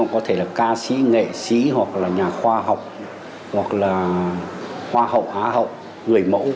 có thể là ca sĩ nghệ sĩ hoặc là nhà khoa học hoặc là hoa hậu á hậu người mẫu